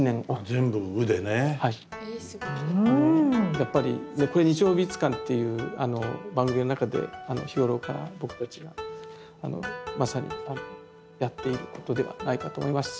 やっぱり「日曜美術館」っていう番組の中で日頃から僕たちがまさにやっていることではないかと思いますし。